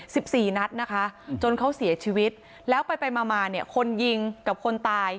สิบสี่นัดนะคะจนเขาเสียชีวิตแล้วไปไปมามาเนี่ยคนยิงกับคนตาย